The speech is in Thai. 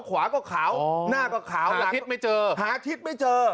ขวาก็ขาวหน้าก็ขาวแล้วทิศไม่เจอหาทิศไม่เจอ